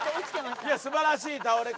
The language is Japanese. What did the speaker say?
いや素晴らしい倒れ方。